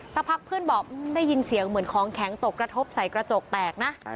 สักพักเพื่อนบอกได้ยินเสียงเหมือนของแข็งตกกระทบใส่กระจกแตกนะ